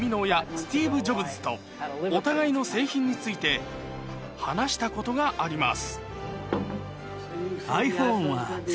スティーブ・ジョブズとお互いの製品について話したことがあります